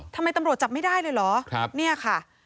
ตำรวจจับไม่ได้เลยเหรอเนี่ยค่ะ